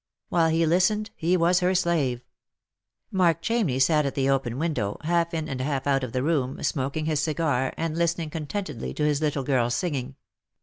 While he listened he was her slave. Mark Chamney sat at the open window, half in and half out of the room, smoking his cigar, and listening con tentedly to his little girl's singing.